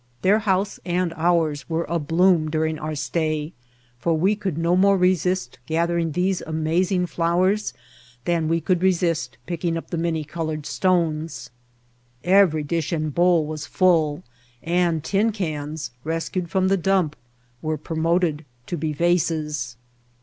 Their house and ours were abloom during our stay, for we could no more resist gathering these amazing flowers than we could resist picking up the many colored stones. Every dish and bowl was full and tin cans rescued from the dump were promoted to be vases.